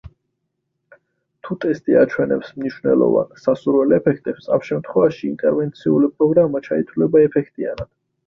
თუ ტესტი აჩვენებს მნიშვნელოვან, სასურველ ეფექტებს, ამ შემთხვევაში, ინტერვენციული პროგრამა ჩაითვლება ეფექტიანად.